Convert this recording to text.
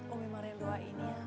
umi mariam doain ya